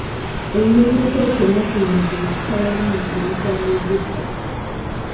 Engeri kkooti ennaku zino gye zisalawo emisango gy’ettaka